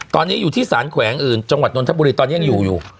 ตอนนี้อยู่ที่สารแขวงอื่นจังหวัดนทบุรีตอนนี้ยังอยู่อยู่